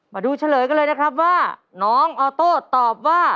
เฉลยกันเลยนะครับว่าน้องออโต้ตอบว่า